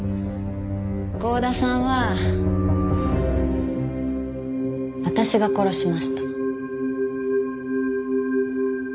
郷田さんは私が殺しました。